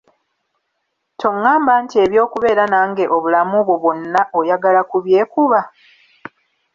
Toŋŋamba nti eby’okubeera nange obulamu bwo bwonna oyagala ku byekuba?